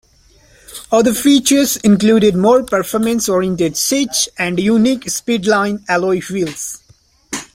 Other features included more performance oriented seats and unique Speedline alloy wheels.